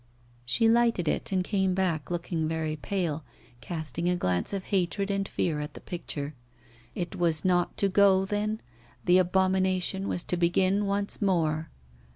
She lighted it and came back looking very pale, casting a glance of hatred and fear at the picture. It was not to go then? The abomination was to begin once more!